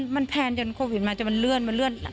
มันแพลนจนโควิดมาจนมันเลื่อน